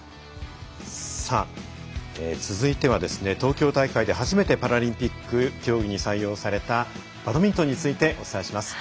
さあ、続いては東京大会で初めてパラリンピック競技に採用されたバドミントンについてお伝えします。